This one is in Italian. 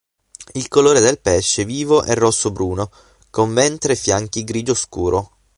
Il colore del pesce vivo è rosso bruno, con ventre e fianchi grigio scuro.